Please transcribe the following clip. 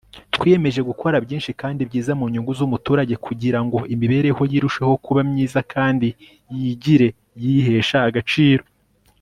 twiyemeje gukora byinshi kandi byiza mu nyungu z'umuturage kugirango imiberehoye irusheho kuba myiza kandi yigire yihesha agaciro